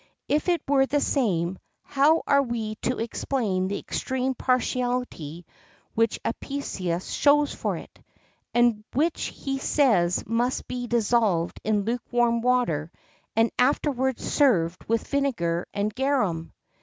If it were the same, how are we to explain the extreme partiality which Apicius shows for it? and which he says must be dissolved in luke warm water, and afterwards served with vinegar and garum.